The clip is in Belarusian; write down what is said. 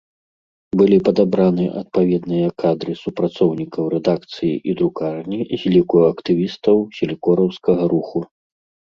Былі падабраны адпаведныя кадры супрацоўнікаў рэдакцыі і друкарні з ліку актывістаў селькораўскага руху.